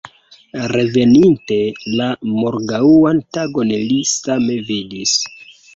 Reveninte la morgaŭan tagon li same vidis.